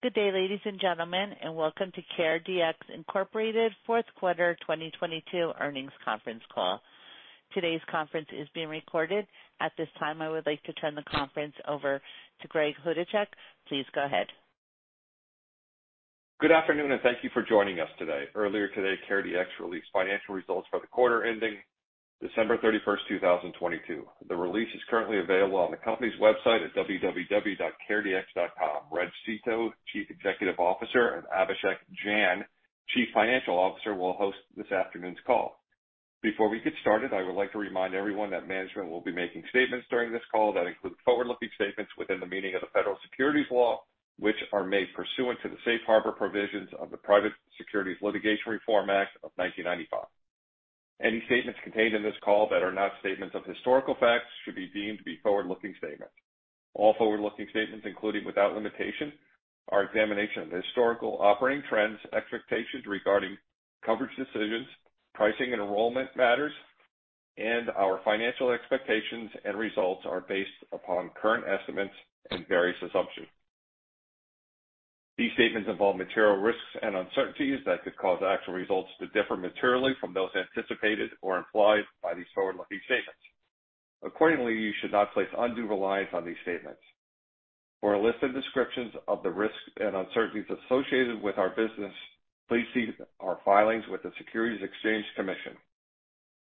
Good day, ladies and gentlemen. Welcome to CareDx, Inc. Fourth Quarter 2022 Earnings Conference Call. Today's conference is being recorded. At this time, I would like to turn the conference over to Greg Chodaczek. Please go ahead. Good afternoon, and thank you for joining us today. Earlier today, CareDx released financial results for the quarter ending December 31st, 2022. The release is currently available on the company's website at www.CareDx.com. Reg Seeto, Chief Executive Officer, and Abhishek Jain, Chief Financial Officer, will host this afternoon's call. Before we get started, I would like to remind everyone that management will be making statements during this call that include forward-looking statements within the meaning of the Federal Securities Law, which are made pursuant to the Safe Harbor provisions of the Private Securities Litigation Reform Act of 1995. Any statements contained in this call that are not statements of historical facts should be deemed to be forward-looking statements. All forward-looking statements, including without limitation, are examination of historical operating trends, expectations regarding coverage decisions, pricing and enrollment matters, and our financial expectations and results are based upon current estimates and various assumptions. These statements involve material risks and uncertainties that could cause actual results to differ materially from those anticipated or implied by these forward-looking statements. Accordingly, you should not place undue reliance on these statements. For a list of descriptions of the risks and uncertainties associated with our business, please see our filings with the Securities and Exchange Commission.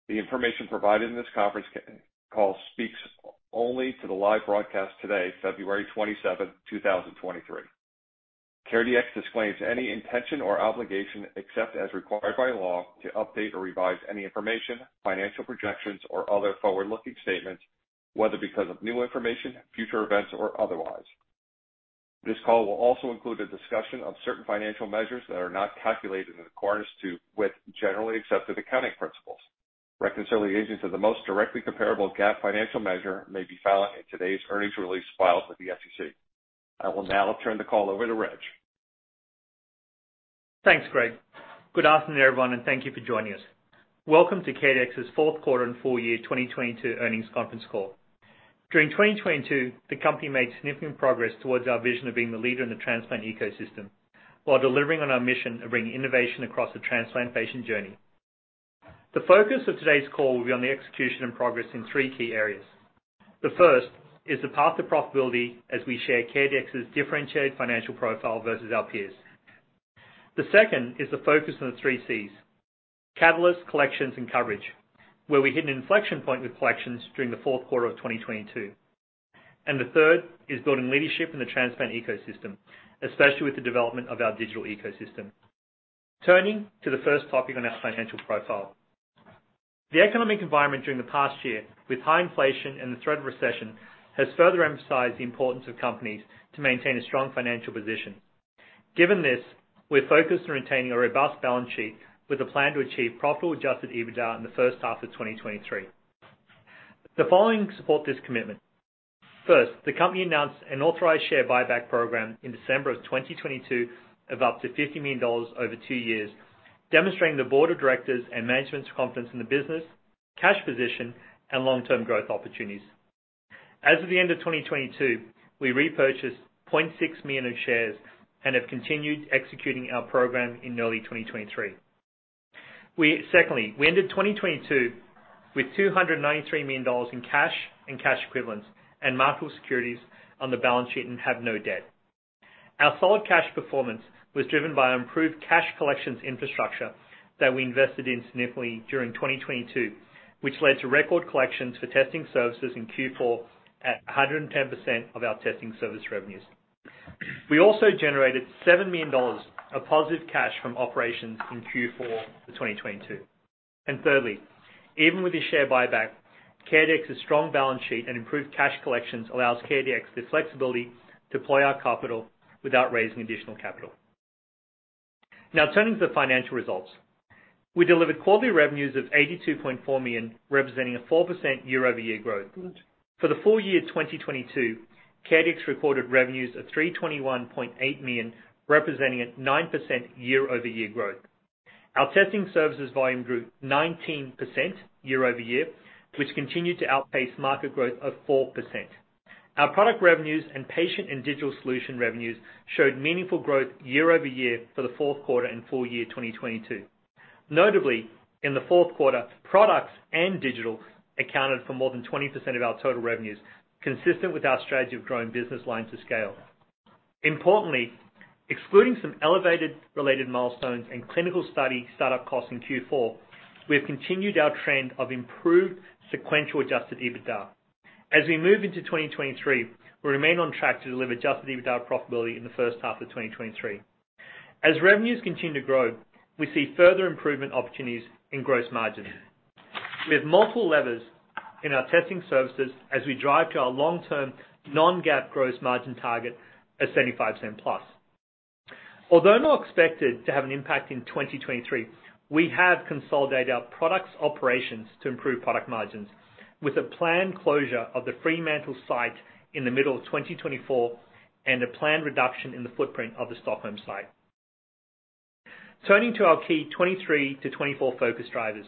The information provided in this conference call speaks only to the live broadcast today, February 27, 2023. CareDx disclaims any intention or obligation, except as required by law, to update or revise any information, financial projections or other forward-looking statements, whether because of new information, future events, or otherwise. This call will also include a discussion of certain financial measures that are not calculated in accordance with generally accepted accounting principles. Reconciliations are the most directly comparable GAAP financial measure may be found in today's earnings release filed with the SEC. I will now turn the call over to Reg. Thanks, Greg. Good afternoon, everyone, thank you for joining us. Welcome to CareDx's fourth quarter and full year 2022 earnings conference call. During 2022, the company made significant progress towards our vision of being the leader in the transplant ecosystem while delivering on our mission of bringing innovation across the transplant patient journey. The focus of today's call will be on the execution and progress in three key areas. The first is the path to profitability as we share CareDx's differentiated financial profile versus our peers. The second is the focus on the three Cs: catalysts, collections, and coverage, where we hit an inflection point with collections during the fourth quarter of 2022. The third is building leadership in the transplant ecosystem, especially with the development of our digital ecosystem. Turning to the first topic on our financial profile. The economic environment during the past year, with high inflation and the threat of recession, has further emphasized the importance of companies to maintain a strong financial position. Given this, we're focused on retaining a robust balance sheet with a plan to achieve profitable adjusted EBITDA in the first half of 2023. The following support this commitment. First, the company announced an authorized share buyback program in December of 2022 of up to $50 million over two years, demonstrating the board of directors' and management's confidence in the business, cash position, and long-term growth opportunities. As of the end of 2022, we repurchased 0.6 million shares and have continued executing our program in early 2023. Secondly, we ended 2022 with $293 million in cash and cash equivalents and marketable securities on the balance sheet and have no debt. Our solid cash performance was driven by improved cash collections infrastructure that we invested in significantly during 2022, which led to record collections for testing services in Q4 at 110% of our testing service revenues. We also generated $7 million of positive cash from operations in Q4 of 2022. Thirdly, even with the share buyback, CareDx's strong balance sheet and improved cash collections allows CareDx the flexibility to deploy our capital without raising additional capital. Turning to the financial results. We delivered quarterly revenues of $82.4 million, representing a 4% year-over-year growth. For the full year 2022, CareDx recorded revenues of $321.8 million, representing a 9% year-over-year growth. Our testing services volume grew 19% year-over-year, which continued to outpace market growth of 4%. Our product revenues and patient and digital solution revenues showed meaningful growth year-over-year for the fourth quarter and full year 2022. Notably, in the fourth quarter, products and digital accounted for more than 20% of our total revenues, consistent with our strategy of growing business lines to scale. Importantly, excluding some elevated related milestones and clinical study startup costs in Q4, we have continued our trend of improved sequential adjusted EBITDA. As we move into 2023, we remain on track to deliver adjusted EBITDA profitability in the first half of 2023. As revenues continue to grow, we see further improvement opportunities in gross margins. We have multiple levers in our testing services as we drive to our long-term non-GAAP gross margin target of 75%+. Although not expected to have an impact in 2023, we have consolidated our products operations to improve product margins with a planned closure of the Fremantle site in the middle of 2024 and a planned reduction in the footprint of the Stockholm site. Turning to our key 2023 to 2024 focus drivers.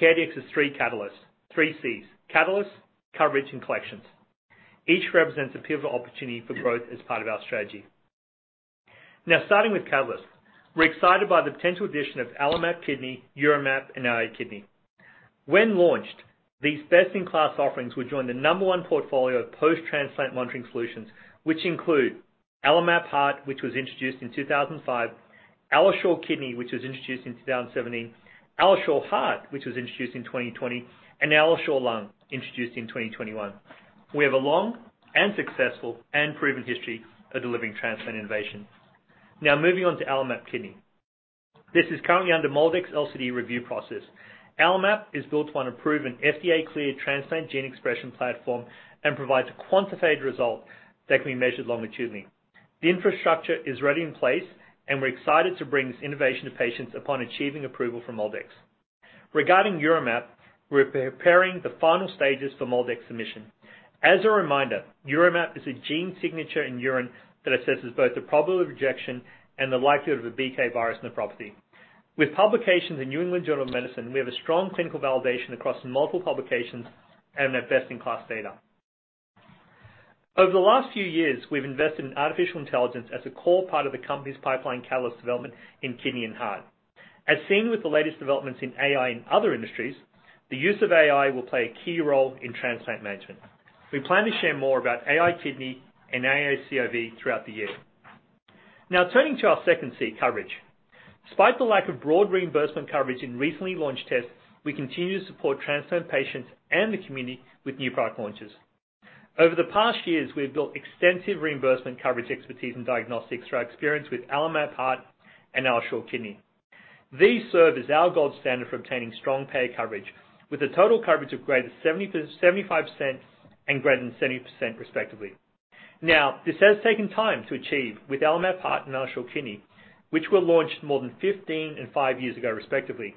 CareDx's three catalysts, three Cs: catalysts, coverage, and collections. Each represents a pivotal opportunity for growth as part of our strategy. Starting with catalysts. We're excited by the potential addition of AlloMap Kidney, UroMap, and AiKidney. When launched, these best-in-class offerings will join the number on portfolio of post-transplant monitoring solutions, which include AlloMap Heart, which was introduced in 2005; AlloSure Kidney, which was introduced in 2017; AlloSure Heart, which was introduced in 2020; and AlloSure Lung, introduced in 2021. We have a long and successful and proven history of delivering transplant innovation. Moving on to AlloMap Kidney. This is currently under MolDX LCD review process. AlloMap is built on a proven FDA-cleared transplant gene expression platform and provides a quantified result that can be measured longitudinally. The infrastructure is already in place, and we're excited to bring this innovation to patients upon achieving approval from MolDX. Regarding UroMap, we're preparing the final stages for MolDX submission. As a reminder, UroMap is a gene signature in urine that assesses both the probable rejection and the likelihood of a BK virus nephropathy. With publications in New England Journal of Medicine, we have a strong clinical validation across multiple publications and have best-in-class data. Over the last few years, we've invested in artificial intelligence as a core part of the company's pipeline catalyst development in kidney and heart. As seen with the latest developments in AI in other industries, the use of AI will play a key role in transplant management. We plan to share more about AiKidney and AI COV throughout the year. Turning to our second C, coverage. Despite the lack of broad reimbursement coverage in recently launched tests, we continue to support transplant patients and the community with new product launches. Over the past years, we have built extensive reimbursement coverage expertise in diagnostics through our experience with AlloMap Heart and AlloSure Kidney. These serve as our gold standard for obtaining strong pay coverage, with a total coverage of greater 75% and greater than 70% respectively. This has taken time to achieve with AlloMap Heart and AlloSure Kidney, which were launched more than 15 and five years ago, respectively.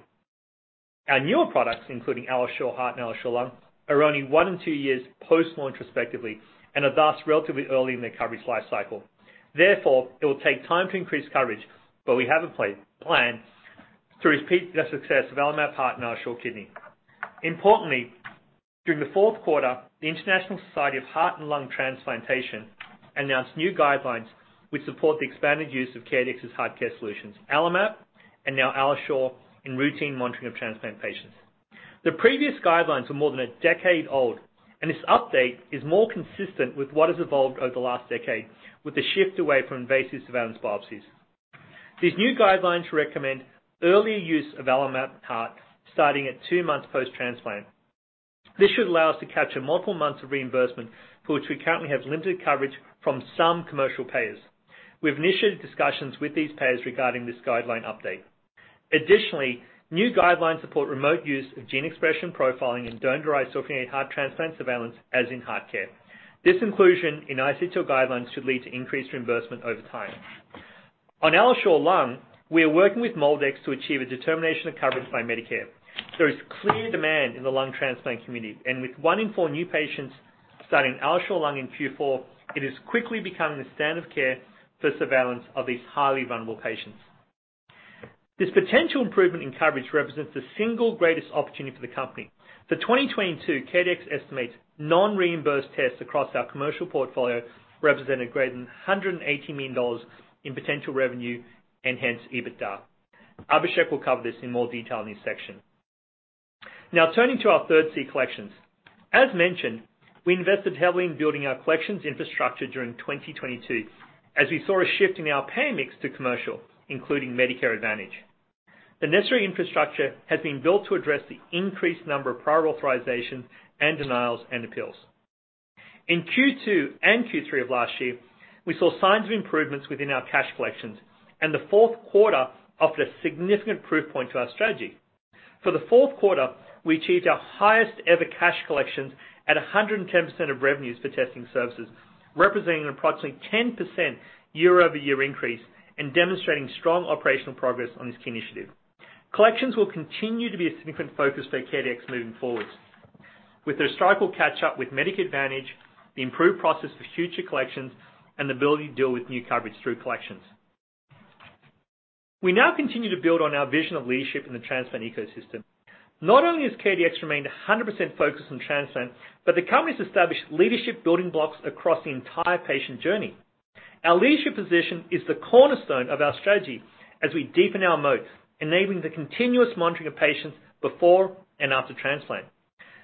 Our newer products, including AlloSure Heart and AlloSure Lung, are only one and two years post-launch, respectively, and are thus relatively early in their coverage life cycle. It will take time to increase coverage, but we have a plan to repeat the success of AlloMap Heart and AlloSure Kidney. During the fourth quarter, the International Society for Heart and Lung Transplantation announced new guidelines which support the expanded use of CareDx's HeartCare solutions, AlloMap and now AlloSure, in routine monitoring of transplant patients. The previous guidelines were more than a decade old, this update is more consistent with what has evolved over the last decade with the shift away from invasive surveillance biopsies. These new guidelines recommend early use of AlloMap Heart starting at two months post-transplant. This should allow us to capture multiple months of reimbursement for which we currently have limited coverage from some commercial payers. We've initiated discussions with these payers regarding this guideline update. Additionally, new guidelines support remote use of gene expression profiling in donor recipient heart transplant surveillance, as in HeartCare. This inclusion in ISHLT guidelines should lead to increased reimbursement over time. On AlloSure Lung, we are working with MolDX to achieve a determination of coverage by Medicare. There is clear demand in the lung transplant community, and with one in four new patients starting AlloSure Lung in Q4, it is quickly becoming the standard of care for surveillance of these highly vulnerable patients. This potential improvement in coverage represents the single greatest opportunity for the company. For 2022, CareDx estimates non-reimbursed tests across our commercial portfolio represented greater than $180 million in potential revenue and hence EBITDA. Abhishek will cover this in more detail in his section. Now, turning to our third C, collections. As mentioned, we invested heavily in building our collections infrastructure during 2022 as we saw a shift in our pay mix to commercial, including Medicare Advantage. The necessary infrastructure has been built to address the increased number of prior authorizations and denials and appeals. In Q2 and Q3 of last year, we saw signs of improvements within our cash collections, and the fourth quarter offered a significant proof point to our strategy. For the fourth quarter, we achieved our highest-ever cash collections at 110% of revenues for testing services, representing an approximately 10% year-over-year increase and demonstrating strong operational progress on this key initiative. Collections will continue to be a significant focus for CareDx moving forward. With the historical catch-up with Medicaid Advantage, the improved process for future collections, and the ability to deal with new coverage through collections. We now continue to build on our vision of leadership in the transplant ecosystem. Not only has CareDx remained 100% focused on transplant, but the company's established leadership building blocks across the entire patient journey. Our leadership position is the cornerstone of our strategy as we deepen our moat, enabling the continuous monitoring of patients before and after transplant.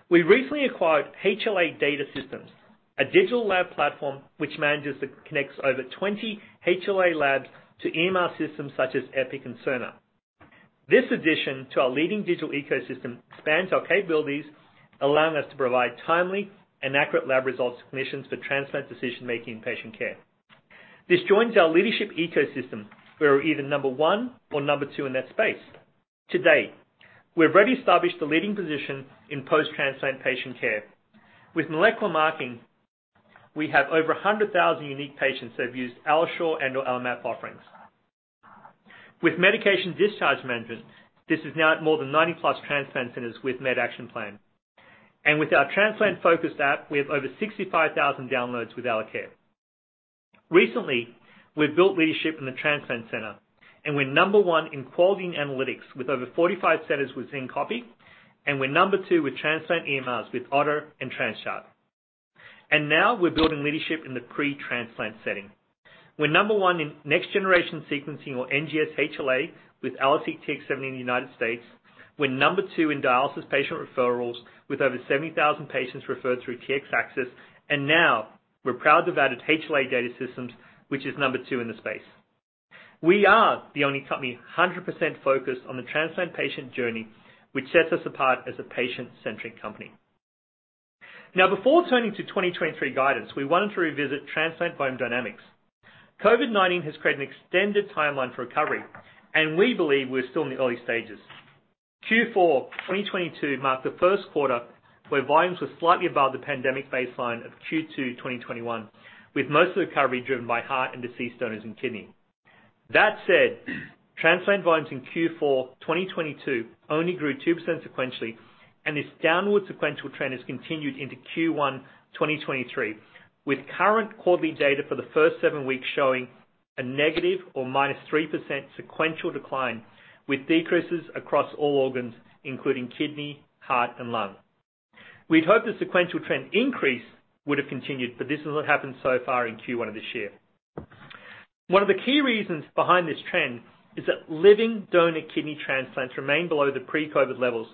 We recently acquired HLA Data Systems, a digital lab platform which manages and connects over 20 HLA labs to EMR systems such as Epic and Cerner. This addition to our leading digital ecosystem expands our capabilities, allowing us to provide timely and accurate lab results to clinicians for transplant decision-making and patient care. This joins our leadership ecosystem. We are either number one or number two in that space. To date, we've already established the leading position in post-transplant patient care. With molecular marking, we have over 100,000 unique patients that have used AlloSure and/or AlloMap offerings. With medication discharge management, this is now at than 90+ transplant centers with MedActionPlan. With our transplant-focused app, we have over 65,000 downloads with AlloCare. Recently, we've built leadership in the transplant center, we're number one in quality analytics with over 45 centers within XynQAPI, we're number two with transplant EMRs with OTTR and TransChart. Now we're building leadership in the pre-transplant setting. We're number one in next-generation sequencing or NGS HLA with AlloSeq Tx in the United States. We're number two in dialysis patient referrals with over 70,000 patients referred through TxAccess, now we're proud to have added HLA Data Systems, which is number two in the space. We are the only company 100% focused on the transplant patient journey, which sets us apart as a patient-centric company. Now, before turning to 2023 guidance, we wanted to revisit transplant volume dynamics. COVID-19 has created an extended timeline for recovery. We believe we're still in the early stages. Q4 2022 marked the first quarter where volumes were slightly above the pandemic baseline of Q2 2021, with most of the recovery driven by heart and deceased donors in kidney. That said, transplant volumes in Q4 2022 only grew 2% sequentially. This downward sequential trend has continued into Q1 2023, with curren quarterly data for the first seven weeks showing a negative or -3% sequential decline, with decreases across all organs, including kidney, heart, and lung. We'd hoped the sequential trend increase would have continued. This is what happened so far in Q1 of this year. One of the key reasons behind this trend is that living donor kidney transplants remain below the pre-COVID levels.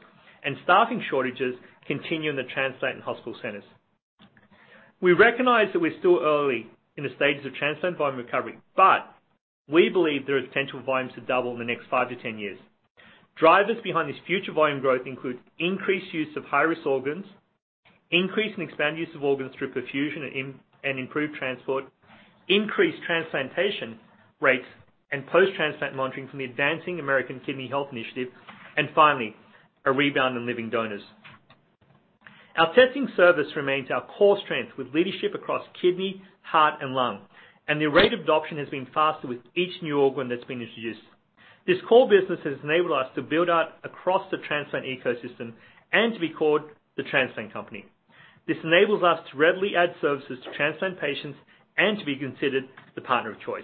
Staffing shortages continue in the transplant and hospital centers. We recognize that we're still early in the stages of transplant volume recovery, but we believe there is potential volumes to double in the next five to 10 years. Drivers behind this future volume growth include increased use of high-risk organs, increase in expanded use of organs through perfusion and improved transport, increased transplantation rates and post-transplant monitoring from the Advancing American Kidney Health Initiative, and finally, a rebound in living donors. Our testing service remains our core strength with leadership across kidney, heart, and lung, and the rate of adoption has been faster with each new organ that's been introduced. This core business has enabled us to build out across the transplant ecosystem and to be called the transplant company. This enables us to readily add services to transplant patients and to be considered the partner of choice.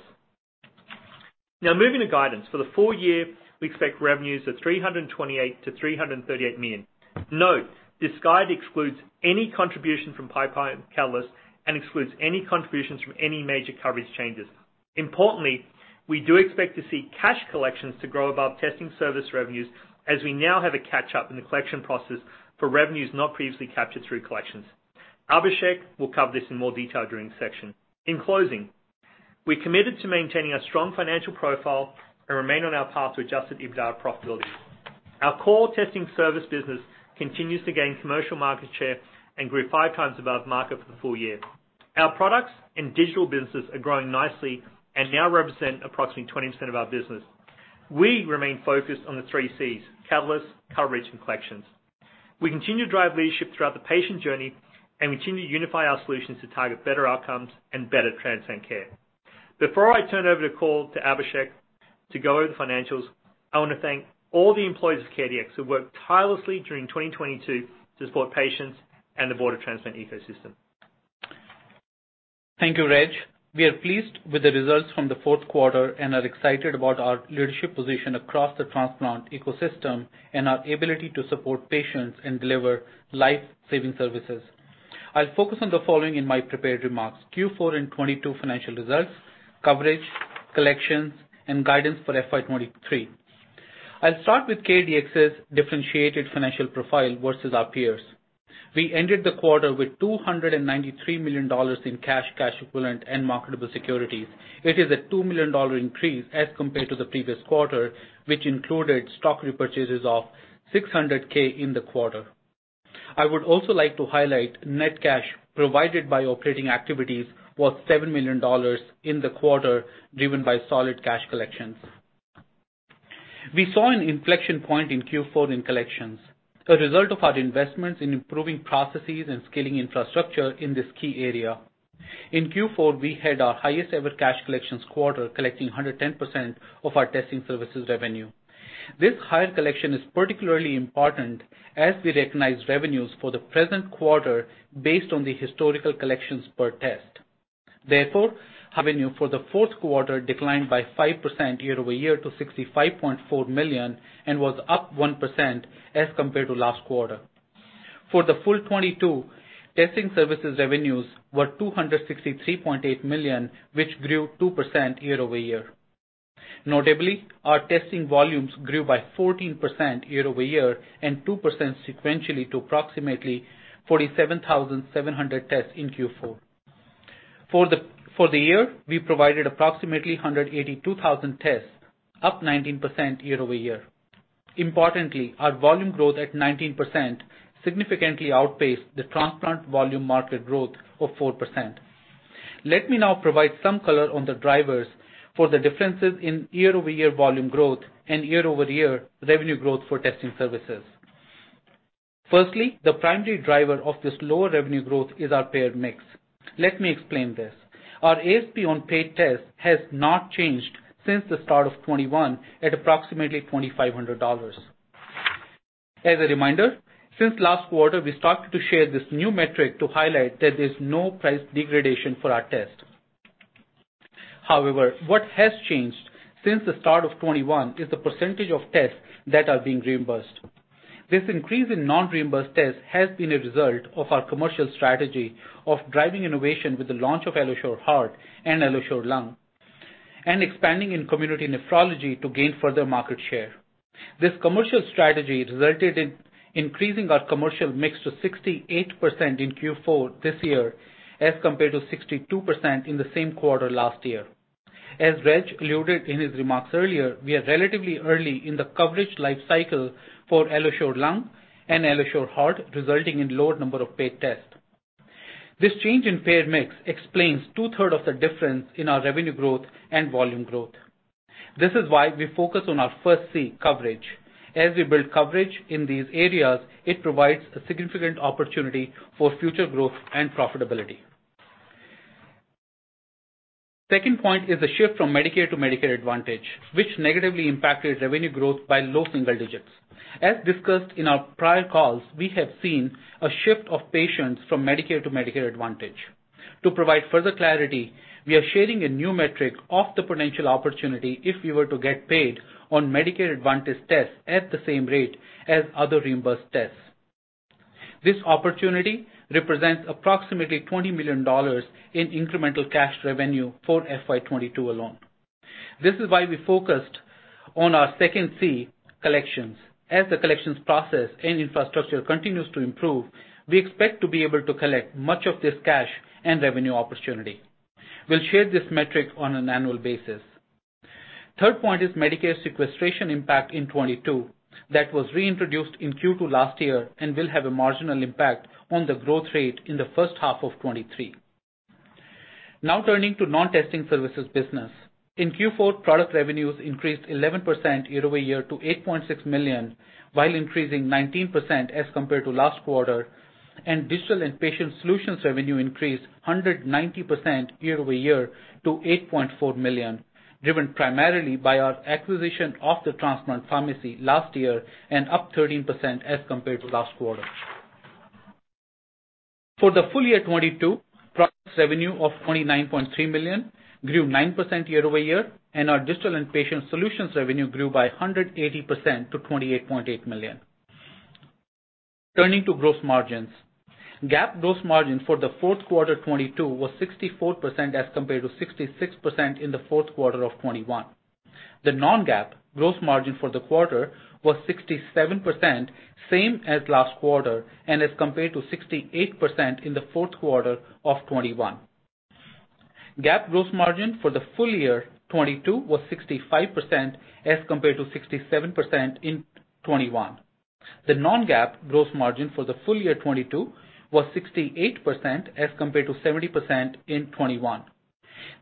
Moving to guidance. For the full year, we expect revenues of $328 million-$338 million. Note, this guide excludes any contribution from pipeline catalysts and excludes any contributions from any major coverage changes. Importantly, we do expect to see cash collections to grow above testing service revenues as we now have a catch-up in the collection process for revenues not previously captured through collections. Abhishek will cover this in more detail during this section. In closing, we're committed to maintaining a strong financial profile and remain on our path to adjusted EBITDA profitability. Our core testing service business continues to gain commercial market share and grew 5x above market for the full year. Our products and digital businesses are growing nicely and now represent approximately 20% of our business. We remain focused on the three Cs: catalyst, coverage, and collections. We continue to drive leadership throughout the patient journey and continue to unify our solutions to target better outcomes and better transplant care. Before I turn over the call to Abhishek to go over the financials, I want to thank all the employees of CareDx who worked tirelessly during 2022 to support patients and the board of transplant ecosystem. Thank you, Reg. We are pleased with the results from the fourth quarter and are excited about our leadership position across the transplant ecosystem and our ability to support patients and deliver life-saving services. I'll focus on the following in my prepared remarks: Q4 and 22 financial results, coverage, collections, and guidance for FY 23. I'll start with CareDx's differentiated financial profile versus our peers. We ended the quarter with $293 million in cash equivalent, and marketable securities. It is a $2 million increase as compared to the previous quarter, which included stock repurchases of $600K in the quarter. I would also like to highlight net cash provided by operating activities was $7 million in the quarter, driven by solid cash collections. We saw an inflection point in Q4 in collections, a result of our investments in improving processes and scaling infrastructure in this key area. In Q4, we had our highest-ever cash collections quarter, collecting 110% of our testing services revenue. This higher collection is particularly important as we recognize revenues for the present quarter based on the historical collections per test. Therefore, revenue for the fourth quarter declined by 5% year-over-year to $65.4 million and was up 1% as compared to last quarter. For the full 2022, testing services revenues were $263.8 million, which grew 2% year-over-year. Notably, our testing volumes grew by 14% year-over-year and 2% sequentially to approximately 47,700 tests in Q4. For the year, we provided approximately 182,000 tests, up 19% year-over-year. Importantly, our volume growth at 19% significantly outpaced the transplant volume market growth of 4%. Let me now provide some color on the drivers for the differences in year-over-year volume growth and year-over-year revenue growth for testing services. Firstly, the primary driver of this lower revenue growth is our payer mix. Let me explain this. Our ASP on paid tests has not changed since the start of 2021 at approximately $2,500. As a reminder, since last quarter, we started to share this new metric to highlight that there's no price degradation for our test. However, what has changed since the start of 2021 is the percentage of tests that are being reimbursed. This increase in non-reimbursed tests has been a result of our commercial strategy of driving innovation with the launch of AlloSure Heart and AlloSure Lung, and expanding in community nephrology to gain further market share. This commercial strategy resulted in increasing our commercial mix to 68% in Q4 this year, as compared to 62% in the same quarter last year. As Reg alluded in his remarks earlier, we are relatively early in the coverage life cycle for AlloSure Lung and AlloSure Heart, resulting in lower number of paid tests. This change in paid mix explains 2/3 of the difference in our revenue growth and volume growth. This is why we focus on our first C, coverage. As we build coverage in these areas, it provides a significant opportunity for future growth and profitability. Second point is the shift from Medicare to Medicare Advantage, which negatively impacted revenue growth by low single digits. As discussed in our prior calls, we have seen a shift of patients from Medicare to Medicare Advantage. To provide further clarity, we are sharing a new metric of the potential opportunity if we were to get paid on Medicare Advantage tests at the same rate as other reimbursed tests. This opportunity represents approximately $20 million in incremental cash revenue for FY 2022 alone. This is why we focused on our second C, collections. As the collections process and infrastructure continues to improve, we expect to be able to collect much of this cash and revenue opportunity. We'll share this metric on an annual basis. Third point is Medicare sequestration impact in 2022 that was reintroduced in Q2 last year and will have a marginal impact on the growth rate in the first half of 2023. Turning to non-testing services business. In Q4, product revenues increased 11% year-over-year to $8.6 million, while increasing 19% as compared to last quarter, and digital and patient solutions revenue increased 190% year-over-year to $8.4 million, driven primarily by our acquisition of The Transplant Pharmacy last year and up 13% as compared to last quarter. For the full year 2022, product revenue of $29.3 million grew 9% year-over-year, and our digital and patient solutions revenue grew by 180% to $28.8 million. Turning to gross margins. GAAP gross margin for the fourth quarter 2022 was 64% as compared to 66% in the fourth quarter of 2021. The non-GAAP gross margin for the quarter was 67%, same as last quarter and as compared to 68% in the fourth quarter of 2021. GAAP gross margin for the full year 2022 was 65% as compared to 67% in 2021. The non-GAAP gross margin for the full year 2022 was 68% as compared to 70% in 2021.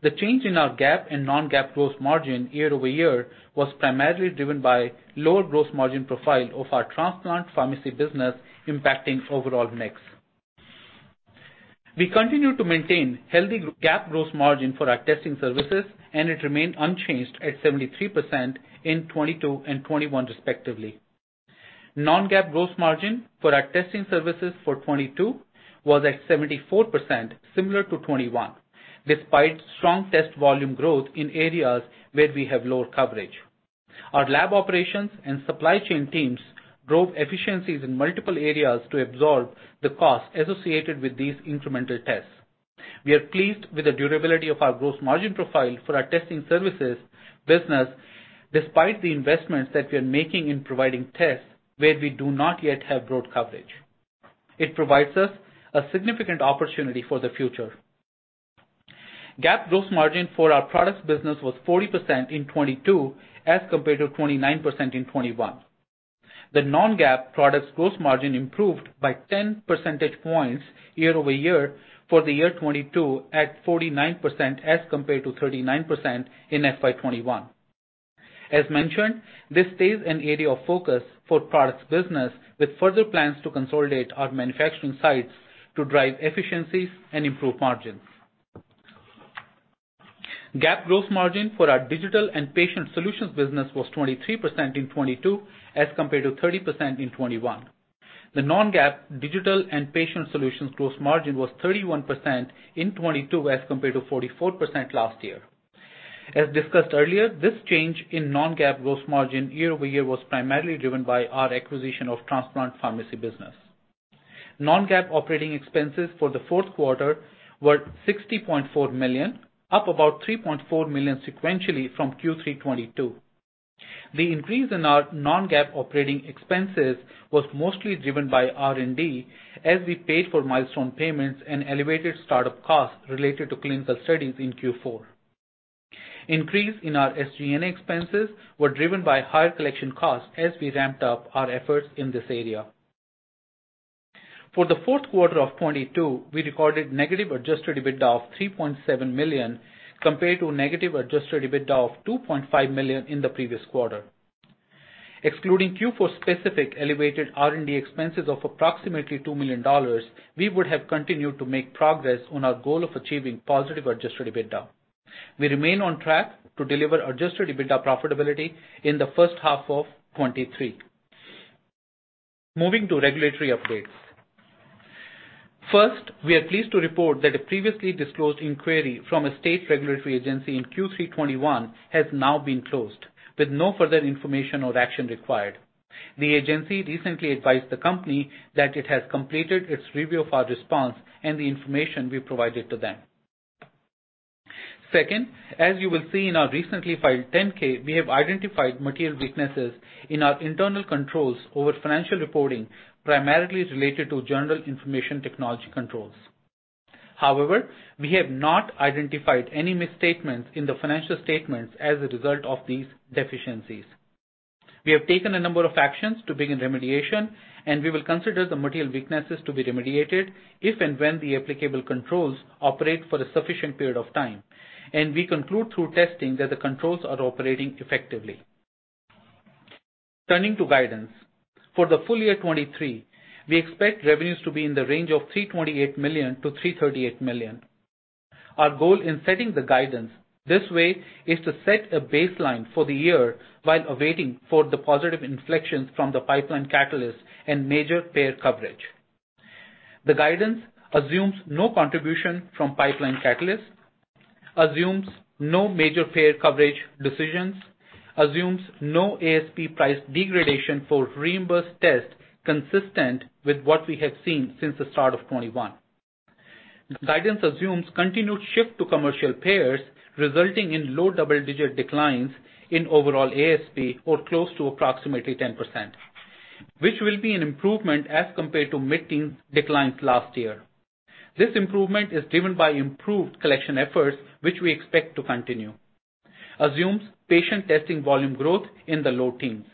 The change in our GAAP and non-GAAP gross margin year-over-year was primarily driven by lower gross margin profile of our transplant pharmacy business impacting overall mix. We continue to maintain healthy GAAP gross margin for our testing services, and it remained unchanged at 73% in 2022 and 2021 respectively. Non-GAAP gross margin for our testing services for 2022 was at 74%, similar to 2021, despite strong test volume growth in areas where we have lower coverage. Our lab operations and supply chain teams drove efficiencies in multiple areas to absorb the cost associated with these incremental tests. We are pleased with the durability of our gross margin profile for our testing services business, despite the investments that we are making in providing tests where we do not yet have broad coverage. It provides us a significant opportunity for the future. GAAP gross margin for our products business was 40% in 2022 as compared to 29% in 2021. The non-GAAP products gross margin improved by 10 percentage points year-over-year for the year 2022 at 49% as compared to 39% in FY 2021. As mentioned, this stays an area of focus for products business with further plans to consolidate our manufacturing sites to drive efficiencies and improve margins. GAAP gross margin for our digital and patient solutions business was 23% in 2022 as compared to 30% in 2021. The non-GAAP digital and patient solutions gross margin was 31% in 2022 as compared to 44% last year. As discussed earlier, this change in non-GAAP gross margin year-over-year was primarily driven by our acquisition of The Transplant Pharmacy business. Non-GAAP operating expenses for the fourth quarter were $60.4 million, up about $3.4 million sequentially from Q3 2022. The increase in our non-GAAP operating expenses was mostly driven by R&D as we paid for milestone payments and elevated start-up costs related to clinical studies in Q4. Increase in our SG&A expenses were driven by higher collection costs as we ramped up our efforts in this area. For the fourth quarter of 2022, we recorded negative adjusted EBITDA of $3.7 million compared to negative adjusted EBITDA of $2.5 million in the previous quarter. Excluding Q4 specific elevated R&D expenses of approximately $2 million, we would have continued to make progress on our goal of achieving positive adjusted EBITDA. We remain on track to deliver adjusted EBITDA profitability in the first half of 2023. Moving to regulatory updates. First, we are pleased to report that a previously disclosed inquiry from a state regulatory agency in Q3 2021 has now been closed with no further information or action required. The agency recently advised the company that it has completed its review of our response and the information we provided to them. Second, as you will see in our recently filed 10-K, we have identified material weaknesses in our internal controls over financial reporting, primarily related to general information technology controls. We have not identified any misstatements in the financial statements as a result of these deficiencies. We have taken a number of actions to begin remediation, we will consider the material weaknesses to be remediated if and when the applicable controls operate for a sufficient period of time, and we conclude through testing that the controls are operating effectively. Turning to guidance. For the full year 2023, we expect revenues to be in the range of $328 million-$338 million. Our goal in setting the guidance this way is to set a baseline for the year while awaiting for the positive inflections from the pipeline catalyst and major payer coverage. The guidance assumes no contribution from pipeline catalyst, assumes no major payer coverage decisions, assumes no ASP price degradation for reimbursed tests consistent with what we have seen since the start of 2021. The guidance assumes continued shift to commercial payers, resulting in low double-digit declines in overall ASP or close to approximately 10%, which will be an improvement as compared to mid-teen declines last year. This improvement is driven by improved collection efforts, which we expect to continue. Assumes patient testing volume growth in the low teens.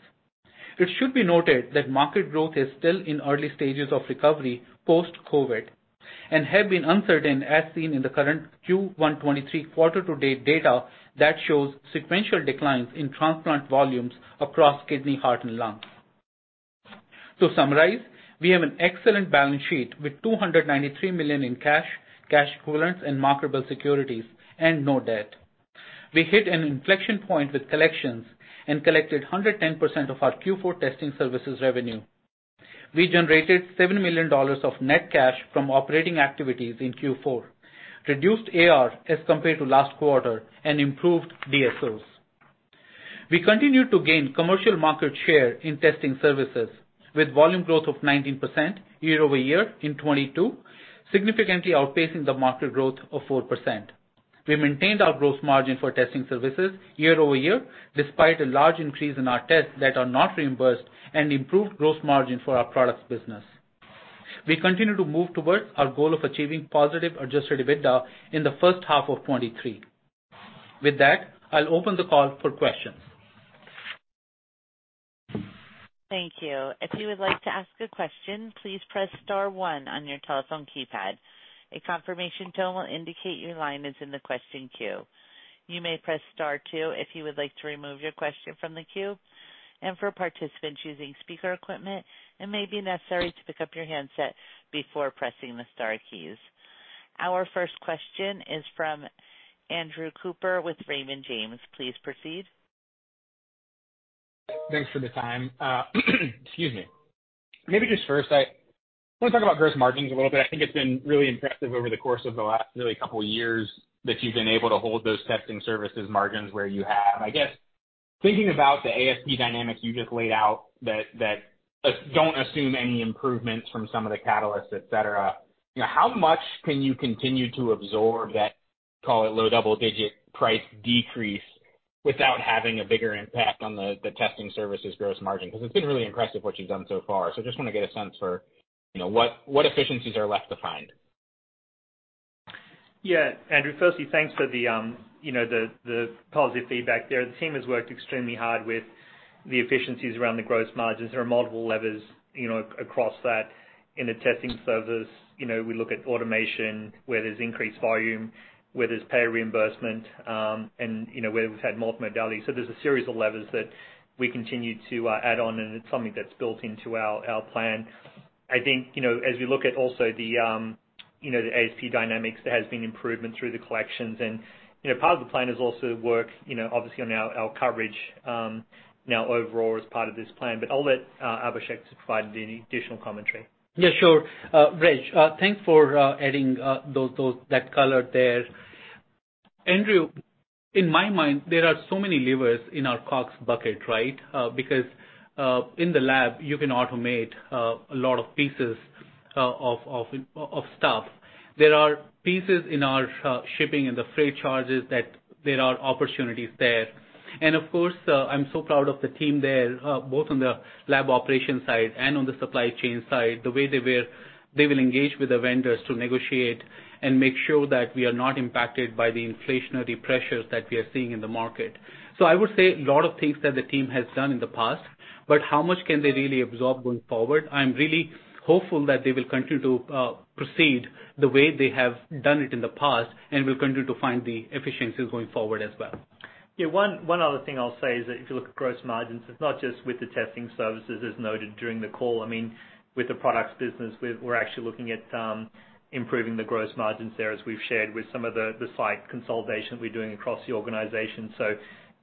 It should be noted that market growth is still in early stages of recovery post-COVID-19 and have been uncertain as seen in the current Q1 2023 quarter-to-date data that shows sequential declines in transplant volumes across kidney, heart, and lung. To summarize, we have an excellent balance sheet with $293 million in cash equivalents, and marketable securities, and no debt. We hit an inflection point with collections and collected 110% of our Q4 testing services revenue. We generated $7 million of net cash from operating activities in Q4, reduced AR as compared to last quarter, and improved DSOs. We continued to gain commercial market share in testing services with volume growth of 19% year-over-year in 2022, significantly outpacing the market growth of 4%. We maintained our gross margin for testing services year-over-year, despite a large increase in our tests that are not reimbursed and improved gross margin for our products business. We continue to move towards our goal of achieving positive adjusted EBITDA in the first half of 2023. With that, I'll open the call for questions. Thank you. If you would like to ask a question, please press star one on your telephone keypad. A confirmation tone will indicate your line is in the question queue. You may press Star two if you would like to remove your question from the queue. For participants using speaker equipment, it may be necessary to pick up your handset before pressing the star keys. Our first question is from Andrew Cooper with Raymond James. Please proceed. Thanks for the time. Excuse me. Maybe just first, I want to talk about gross margins a little bit. I think it's been really impressive over the course of the last really two years that you've been able to hold those testing services margins where you have. I guess thinking about the ASP dynamics you just laid out that don't assume any improvements from some of the catalysts, et cetera, you know, how much can you continue to absorb that, call it low double-digit price decrease without having a bigger impact on the testing services gross margin? Because it's been really impressive what you've done so far. Just wanna get a sense for, you know, what efficiencies are left to find. Yeah, Andrew. Firstly, thanks for the, you know, the positive feedback there. The team has worked extremely hard with the efficiencies around the gross margins. There are multiple levers, you know, across that in the testing service. You know, we look at automation, where there's increased volume, where there's payer reimbursement, and you know, where we've had multimodality. There's a series of levers that we continue to add on, and it's something that's built into our plan. I think, you know, as we look at also the, you know, the ASP dynamics, there has been improvement through the collections and, you know, part of the plan is also work, you know, obviously on our coverage, now overall as part of this plan. I'll let Abhishek provide any additional commentary. Yeah, sure. Reg, thanks for adding that color there. Andrew, in my mind, there are so many levers in our Cox bucket, right? In the lab, you can automate a lot of pieces of stuff. There are pieces in our shipping and the freight charges that there are opportunities there. Of course, I'm so proud of the team there, both on the lab operation side and on the supply chain side, the way they will engage with the vendors to negotiate and make sure that we are not impacted by the inflationary pressures that we are seeing in the market. I would say a lot of things that the team has done in the past, but how much can they really absorb going forward? I'm really hopeful that they will continue to proceed the way they have done it in the past and will continue to find the efficiencies going forward as well. One other thing I'll say is that if you look at gross margins, it's not just with the testing services as noted during the call. I mean, with the products business, we're actually looking at improving the gross margins there, as we've shared with some of the site consolidation we're doing across the organization.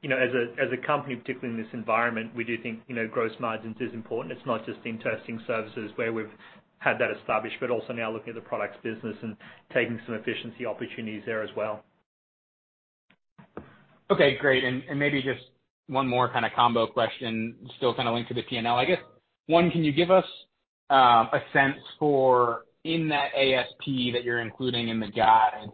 You know, as a company, particularly in this environment, we do think, you know, gross margins is important. It's not just in testing services where we've had that established, but also now looking at the products business and taking some efficiency opportunities there as well. Okay, great. Maybe just one more kinda combo question, still kinda linked to the P&L. I guess, one, can you give us a sense for in that ASP that you're including in the guide,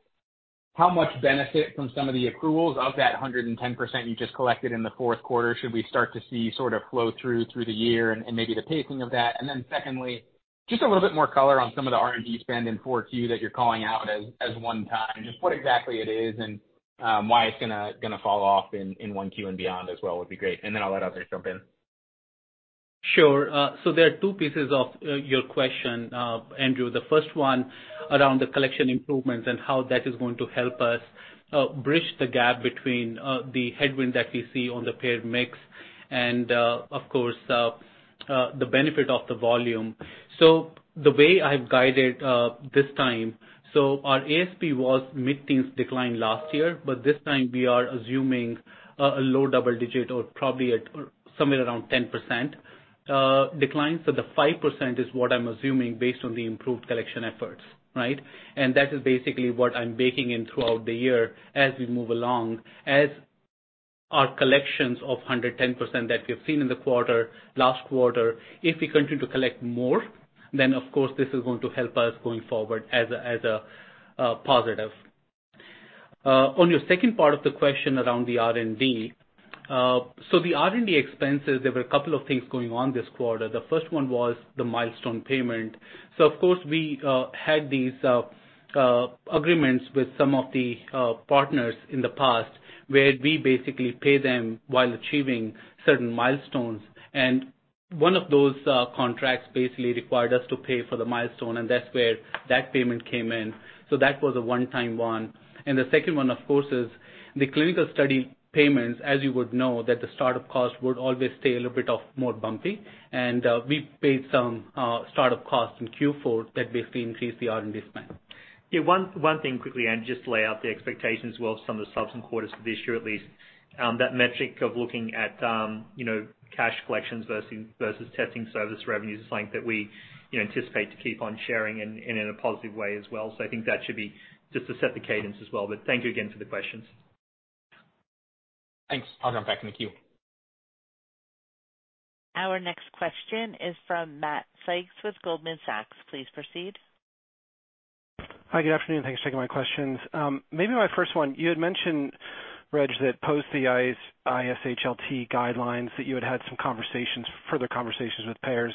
how much benefit from some of the accruals of that 110% you just collected in the fourth quarter should we start to see sort of flow through the year and maybe the pacing of that? Secondly, just a little bit more color on some of the R&D spend in Q4 that you're calling out as one time. Just what exactly it is and why it's gonna fall off in Q1 and beyond as well would be great. I'll let others jump in. Sure. There are two pieces of your question, Andrew. The first one around the collection improvements and how that is going to help us bridge the gap between the headwind that we see on the paid mix and, of course, the benefit of the volume. The way I've guided this time, our ASP was mid-teens decline last year, but this time we are assuming a low double digit or probably at somewhere around 10% decline. The 5% is what I'm assuming based on the improved collection efforts, right? That is basically what I'm baking in throughout the year as we move along. As our collections of 110% that we've seen in the quarter, last quarter, if we continue to collect more, Of course this is going to help us going forward as a positive. On your second part of the question around the R&D. The R&D expenses, there were a couple of things going on this quarter. The first one was the milestone payment. Of course, we had these agreements with some of the partners in the past where we basically pay them while achieving certain milestones. One of those contracts basically required us to pay for the milestone, and that's where that payment came in. That was a one-time one. The second one, of course, is the clinical study payments. As you would know that the start of cost would always stay a little bit of more bumpy. We paid some start of costs in Q4 that basically increased the R&D spend. Yeah. One thing quickly, and just to lay out the expectations as well for some of the subsequent quarters for this year at least. That metric of looking at, you know, cash collections versus testing service revenues is something that we, you know, anticipate to keep on sharing in a positive way as well. I think that should be just to set the cadence as well, but thank you again for the questions. Thanks. I'll jump back in the queue. Our next question is from Matthew Sykes with Goldman Sachs. Please proceed. Hi, good afternoon. Thanks for taking my questions. Maybe my first one. You had mentioned, Reg, that post the ISHLT guidelines that you had further conversations with payers.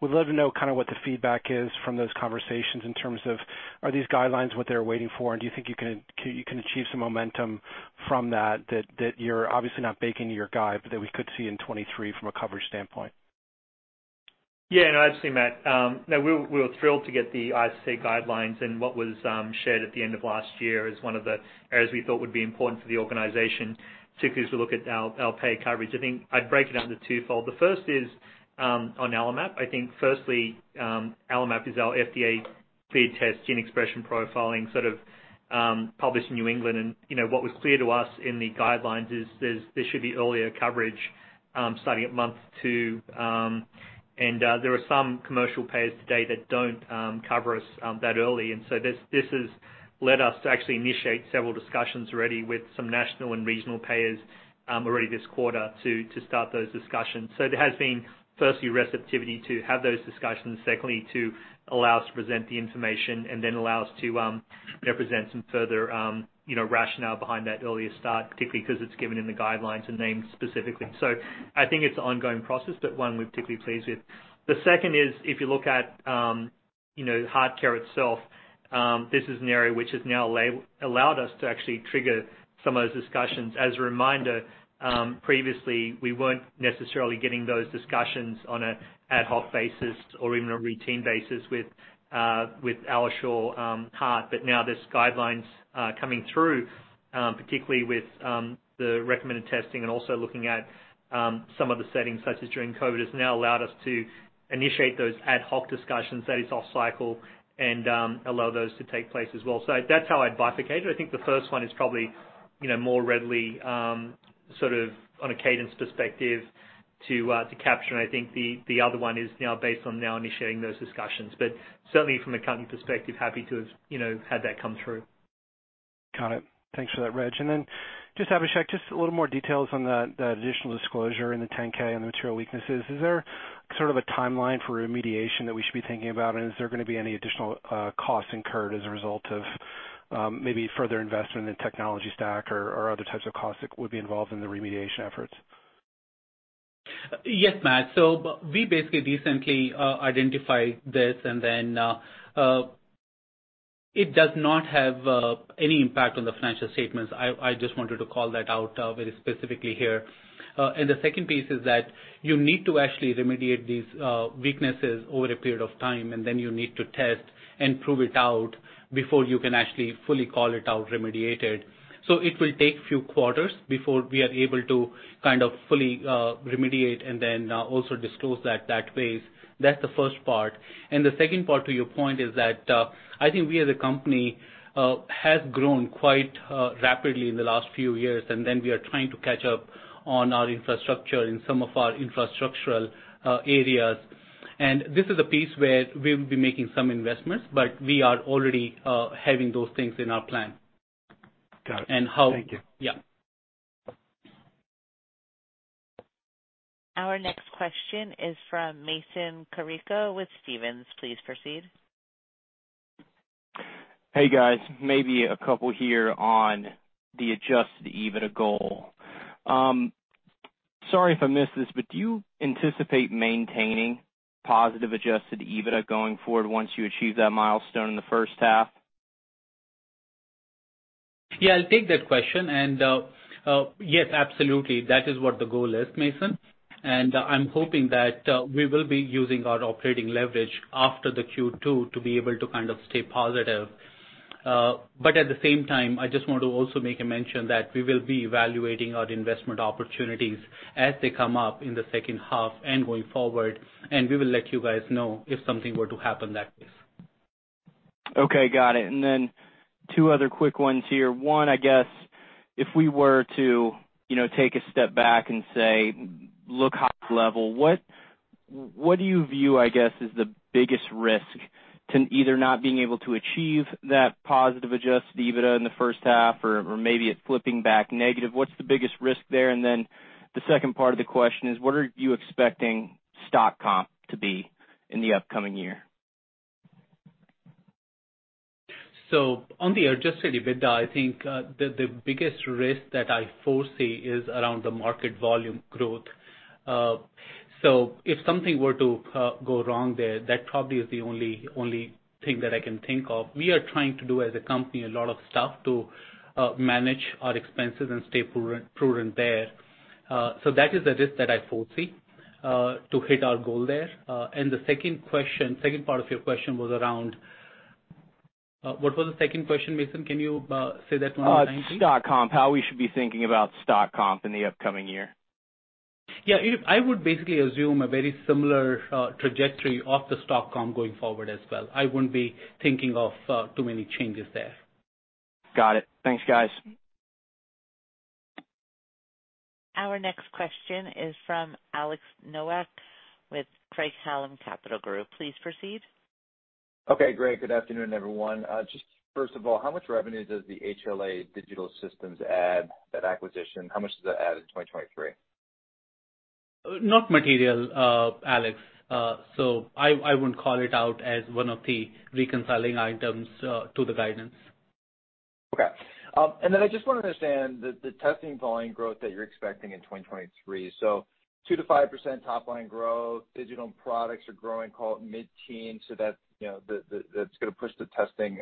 Would love to know kind of what the feedback is from those conversations in terms of are these guidelines what they're waiting for, and do you think you can achieve some momentum from that you're obviously not baking to your guide, but that we could see in 2023 from a coverage standpoint? Yeah. No, absolutely, Matt. No, we were thrilled to get the ISHLT guidelines and what was shared at the end of last year as one of the areas we thought would be important for the organization, particularly as we look at our pay coverage. I think I'd break it under twofold. The first is on AlloMap. I think firstly, AlloMap is our FDA-paid test gene expression profiling, sort of, published in New England. You know, what was clear to us in the guidelines is there should be earlier coverage, starting at month two. There are some commercial payers today that don't cover us that early. This has led us to actually initiate several discussions already with some national and regional payers already this quarter to start those discussions. It has been firstly receptivity to have those discussions. Secondly, to allow us to present the information and then allow us to, you know, present some further, you know, rationale behind that earlier start, particularly because it's given in the guidelines and named specifically. I think it's an ongoing process, but one we're particularly pleased with. The second is, if you look at, you know, heart care itself, this is an area which has now allowed us to actually trigger some of those discussions. As a reminder, previously we weren't necessarily getting those discussions on a ad hoc basis or even a routine basis with AlloSure Heart. Now there's guidelines coming through, particularly with the recommended testing and also looking at some of the settings such as during COVID, has now allowed us to initiate those ad hoc discussions that is off cycle and allow those to take place as well. That's how I'd bifurcate it. I think the first one is probably, you know, more readily sort of on a cadence perspective to capture. I think the other one is, you know, based on now initiating those discussions. Certainly from accounting perspective, happy to have, you know, had that come through. Got it. Thanks for that, Reg. Abhishek Jain, just a little more details on the additional disclosure in the 10-K on the material weaknesses. Is there sort of a timeline for remediation that we should be thinking about? Is there gonna be any additional costs incurred as a result of maybe further investment in technology stack or other types of costs that would be involved in the remediation efforts? Yes, Matt. Basically recently identified this and then It does not have any impact on the financial statements. I just wanted to call that out very specifically here. The second piece is that you need to actually remediate these weaknesses over a period of time, and then you need to test and prove it out before you can actually fully call it out remediated. It will take a few quarters before we are able to kind of fully remediate and then also disclose that phase. That's the first part. The second part to your point is that I think we as a company has grown quite rapidly in the last few years, and then we are trying to catch up on our infrastructure in some of our infrastructural areas. This is a piece where we will be making some investments, but we are already having those things in our plan. Got it. how- Thank you. Yeah. Our next question is from Mason Carrico with Stephens. Please proceed. Hey, guys. Maybe a couple here on the adjusted EBITDA goal. Sorry if I missed this, do you anticipate maintaining positive adjusted EBITDA going forward once you achieve that milestone in the first half? Yeah, I'll take that question. Yes, absolutely. That is what the goal is, Mason. I'm hoping that we will be using our operating leverage after the Q2 to be able to kind of stay positive. At the same time, I just want to also make a mention that we will be evaluating our investment opportunities as they come up in the second half and going forward, and we will let you guys know if something were to happen that way. Okay, got it. Then two other quick ones here. One, I guess if we were to, you know, take a step back and say, look high level, what do you view, I guess, is the biggest risk to either not being able to achieve that positive adjusted EBITDA in the first half or maybe it flipping back negative? What's the biggest risk there? Then the second part of the question is what are you expecting stock comp to be in the upcoming year? On the adjusted EBITDA, I think, the biggest risk that I foresee is around the market volume growth. If something were to go wrong there, that probably is the only thing that I can think of. We are trying to do as a company, a lot of stuff to manage our expenses and stay prudent there. That is the risk that I foresee to hit our goal there. The second question, second part of your question was around... What was the second question, Mason? Can you say that one more time, please? stock comp, how we should be thinking about stock comp in the upcoming year? Yeah, you know, I would basically assume a very similar trajectory of the stock comp going forward as well. I wouldn't be thinking of too many changes there. Got it. Thanks, guys. Our next question is from Alexander Nowak with Craig-Hallum Capital Group. Please proceed. Okay, great. Good afternoon, everyone. Just first of all, how much revenue does the HLA Data Systems add, that acquisition? How much does that add in 2023? Not material, Alex. I wouldn't call it out as one of the reconciling items to the guidance. Okay. I just wanna understand the testing volume growth that you're expecting in 2023. 2%-5% top line growth. Digital products are growing, call it mid-teen. That's, you know, that's gonna push the testing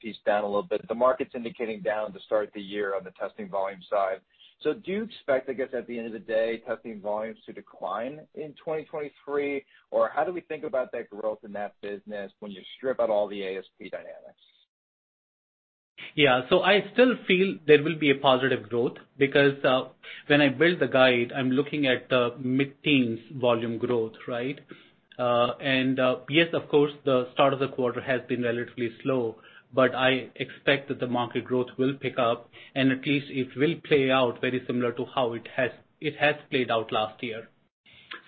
piece down a little bit. The market's indicating down to start the year on the testing volume side. Do you expect, I guess, at the end of the day, testing volumes to decline in 2023? How do we think about that growth in that business when you strip out all the ASP dynamics? Yeah. I still feel there will be a positive growth because, when I build the guide, I'm looking at mid-teens volume growth, right? Yes, of course, the start of the quarter has been relatively slow, but I expect that the market growth will pick up, and at least it will play out very similar to how it has played out last year.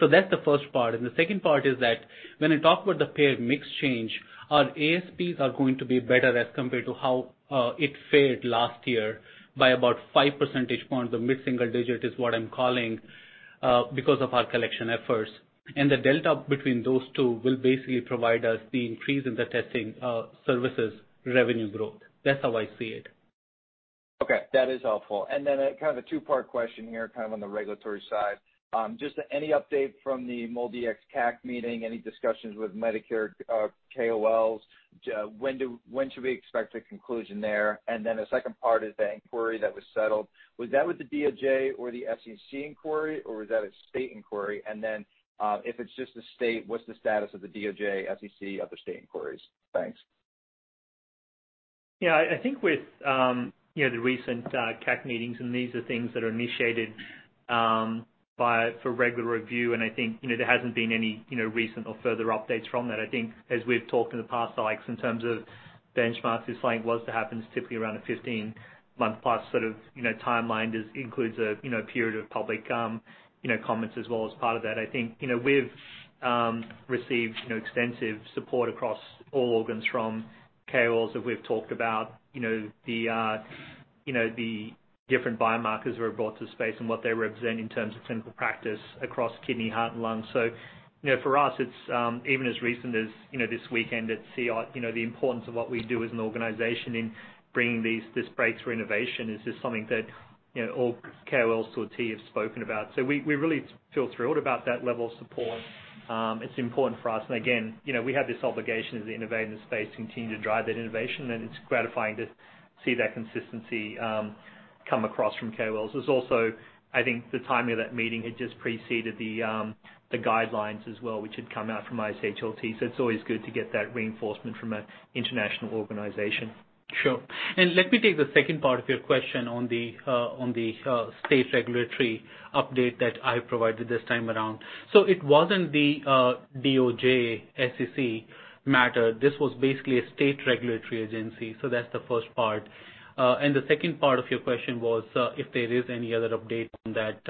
That's the first part. The second part is that when I talk about the paid mix change, our ASPs are going to be better as compared to how it fared last year by about five percentage points. The mid-single digit is what I'm calling because of our collection efforts. The delta between those two will basically provide us the increase in the testing, services revenue growth. That's how I see it. Okay, that is helpful. Kind of a two-part question here, kind of on the regulatory side. Just any update from the MolDX CAC meeting? Any discussions with Medicare, KOLs? When should we expect a conclusion there? The second part is the inquiry that was settled, was that with the DOJ or the SEC inquiry, or was that a state inquiry? If it's just the state, what's the status of the DOJ, SEC, other state inquiries? Thanks. Yeah, I think with, you know, the recent CAC meetings. These are things that are initiated by, for regular review. I think, you know, there hasn't been any, you know, recent or further updates from that. I think as we've talked in the past, like in terms of benchmarks, if something was to happen, it's typically around a 15-month plus sort of, you know, timeline. This includes a, you know, period of public, you know, comments as well as part of that. I think, you know, we've received, you know, extensive support across all organs from KOLs that we've talked about. You know, the, you know, the different biomarkers we've brought to space and what they represent in terms of clinical practice across kidney, heart, and lungs. You know, for us, it's, even as recent as, you know, this weekend at CI, you know, the importance of what we do as an organization in bringing this breakthrough innovation is just something that, you know, all KOLs to a T have spoken about. We really feel thrilled about that level of support. It's important for us. Again, you know, we have this obligation as an innovator in the space to continue to drive that innovation, and it's gratifying to see that consistency, come across from KOLs. There's also, I think the timing of that meeting had just preceded the guidelines as well, which had come out from ISHLT. It's always good to get that reinforcement from an international organization. Sure. Let me take the second part of your question on the state regulatory update that I provided this time around. It wasn't the DOJ, SEC matter. This was basically a state regulatory agency. That's the first part. The second part of your question was if there is any other update on that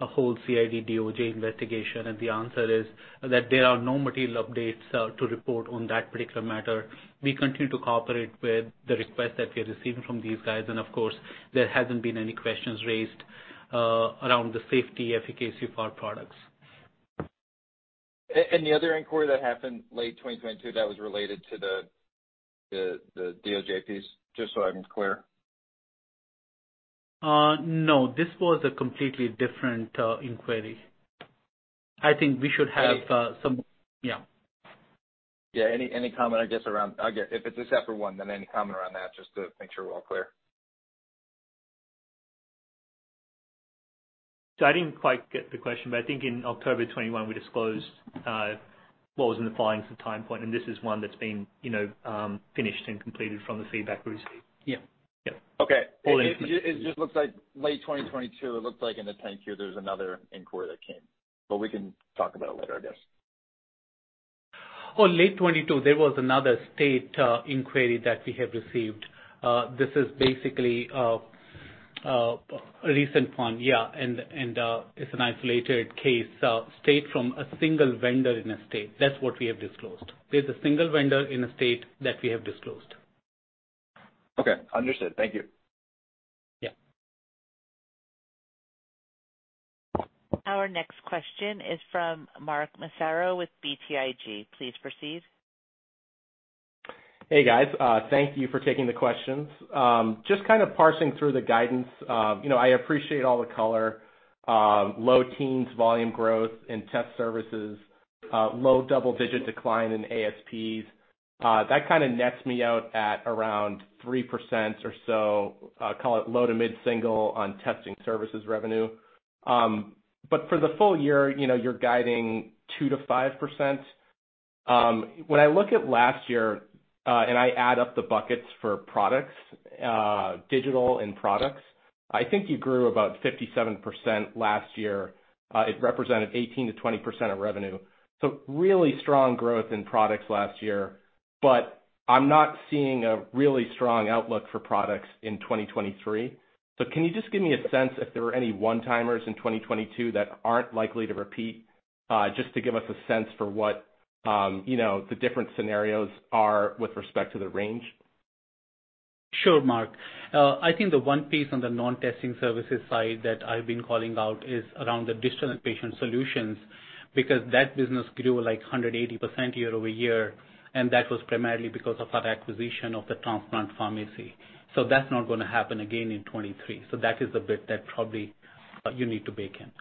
whole CID DOJ investigation, and the answer is that there are no material updates to report on that particular matter. We continue to cooperate with the requests that we are receiving from these guys, and of course, there hasn't been any questions raised around the safety efficacy of our products. The other inquiry that happened late 2022, that was related to the DOJ piece, just so I'm clear. No, this was a completely different inquiry. I think we should have some. Yeah. Yeah. Any comment, I guess, around, I get if it's a separate one, then any comment around that just to make sure we're all clear. I didn't quite get the question, but I think in October of 2021, we disclosed what was in the filings at the time point, and this is one that's been, you know, finished and completed from the feedback we received. Yeah. Yeah. Okay. It just looks like late 2022, it looks like in the 10-Q there's another inquiry that came, but we can talk about it later, I guess. Late 2022, there was another state inquiry that we have received. This is basically a recent one, and it's an isolated case, state from a single vendor in a state. That's what we have disclosed. There's a single vendor in a state that we have disclosed. Okay. Understood. Thank you. Yeah. Our next question is from Mark Massaro with BTIG. Please proceed. Hey, guys. Thank you for taking the questions. Just kind of parsing through the guidance. You know, I appreciate all the color. Low teens volume growth in test services, low double-digit decline in ASPs. That kinda nets me out at around 3% or so, call it low to mid-single on testing services revenue. For the full year, you know, you're guiding 2%-5%. When I look at last year, and I add up the buckets for products, digital and products, I think you grew about 57% last year. It represented 18%-20% of revenue. Really strong growth in products last year, but I'm not seeing a really strong outlook for products in 2023. Can you just give me a sense if there were any one-timers in 2022 that aren't likely to repeat, just to give us a sense for what, you know, the different scenarios are with respect to the range? Sure, Mark. I think the one piece on the non-testing services side that I've been calling out is around the distant patient solutions, because that business grew, like, 180% year-over-year, and that was primarily because of our acquisition of The Transplant Pharmacy. That's not gonna happen again in 2023. That is the bit that probably you need to bake in.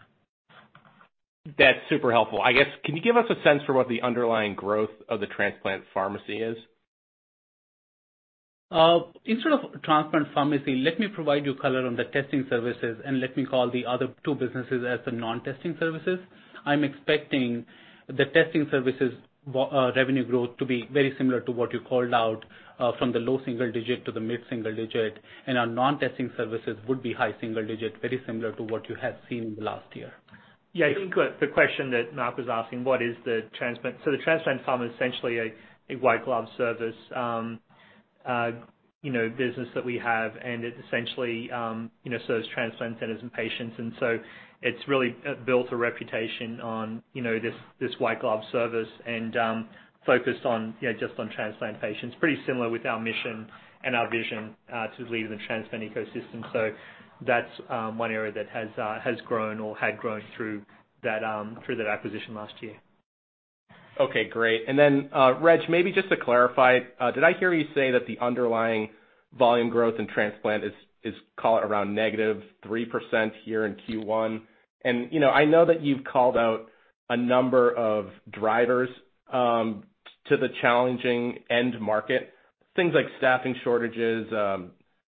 That's super helpful. I guess, can you give us a sense for what the underlying growth of The Transplant Pharmacy is? In sort of transplant pharmacy, let me provide you color on the testing services, and let me call the other two businesses as the non-testing services. I'm expecting the testing services revenue growth to be very similar to what you called out from the low single digit% to the mid single digit%, and our non-testing services would be high single digit%, very similar to what you have seen in the last year. Yeah. I think the question that Mark was asking, what is The Transplant Pharmacy? The Transplant Pharmacy is essentially a white glove service, you know, business that we have, and it essentially, you know, serves transplant centers and patients. It's really built a reputation on, you know, this white glove service and focused on, you know, just on transplant patients. Pretty similar with our mission and our vision to lead in the transplant ecosystem. That's one area that has grown or had grown through that through that acquisition last year. Okay, great. Reg, maybe just to clarify, did I hear you say that the underlying volume growth in transplant is call it around negative 3% here in Q1? You know, I know that you've called out a number of drivers to the challenging end market, things like staffing shortages,